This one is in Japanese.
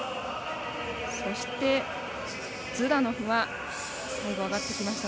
そしてズダノフは最後、上がってきました。